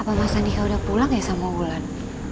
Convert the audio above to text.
apa mas andika udah pulang ya sama wulan